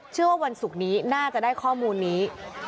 วันศุกร์นี้น่าจะได้ข้อมูลนี้